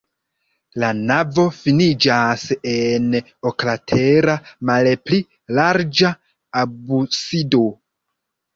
La navo finiĝas en oklatera, malpli larĝa absido.